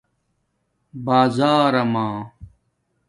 بازرمݳ